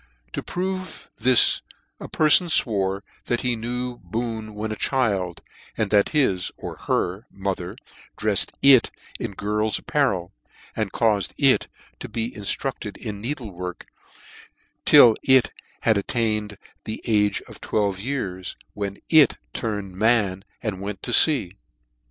To prove this a pcrfon fwore that he knew Boone when a child, that his (or her) mother dreffed it in girls apparel, and caufed it to be inltructed in needle work, till it had attained the age of twelve years, when it 'turned man 3 and went to Jea.